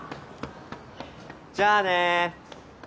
じゃあね。